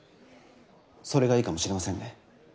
それがいいかもしれませんね。